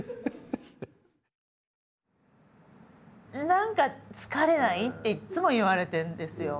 何か疲れない？っていっつも言われてるんですよ。